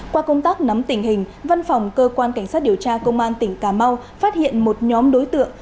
qua công tác nắm tình hình văn phòng cơ quan cảnh sát điều tra công an tỉnh cà mau phát hiện một nhóm đối tượng